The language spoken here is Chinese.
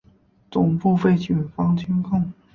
总部被警方监控。